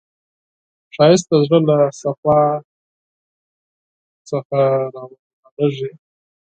ښایست د زړه له صفا څخه راولاړیږي